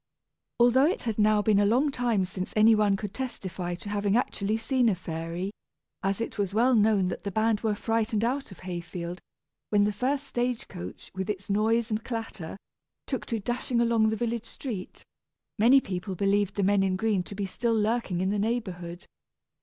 Although it had now been a long time since any one could testify to having actually seen a fairy (as it was well known that the band were frightened out of Hayfield when the first stage coach, with its noise and clatter, took to dashing along the village street), many people believed the men in green to be still lurking in the neighborhood.